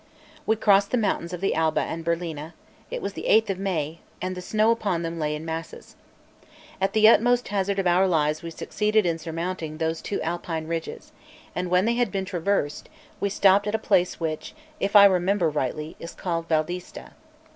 We crossed the mountains of the Alba and Berlina; it was the 8th of May, and the snow upon them lay in masses. At the utmost hazard of our lives we succeeded in surmounting those two Alpine ridges; and when they had been traversed, we stopped at a place which, if I remember rightly, is called Valdista.